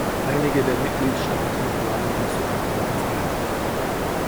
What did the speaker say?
Einige der Mitgliedstaaten planen dies sogar bereits ein.